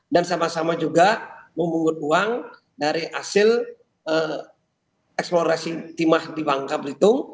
dan sama sama juga mengumpul uang dari hasil eksplorasi timah di bangka belitung